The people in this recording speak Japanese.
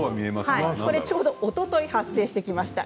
ちょうどおととい発生してきました。